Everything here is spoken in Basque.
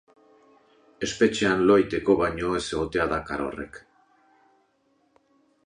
Espetxean lo egiteko baino ez egotea dakar horrek.